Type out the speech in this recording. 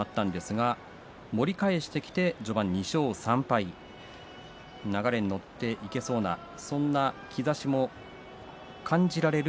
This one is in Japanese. ３連敗スタートにはなってしまったんですが盛り返してきて序盤２勝３敗流れに乗っていけそうなそんな兆しも感じられる